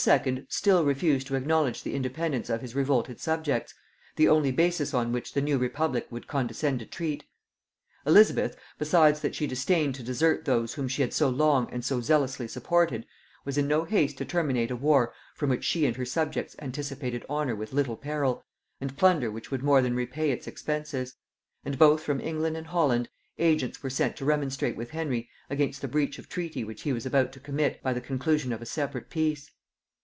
still refused to acknowledge the independence of his revolted subjects, the only basis on which the new republic would condescend to treat. Elizabeth, besides that she disdained to desert those whom she had so long and so zealously supported, was in no haste to terminate a war from which she and her subjects anticipated honor with little peril, and plunder which would more than repay its expenses; and both from England and Holland agents were sent to remonstrate with Henry against the breach of treaty which he was about to commit by the conclusion of a separate peace.